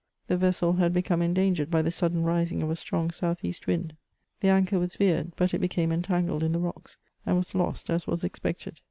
The vessel had become endangered by the sudden rising of a strong south east wind. The anchor was veered, but it became entangled in the rocks, and was lost, as waa expected.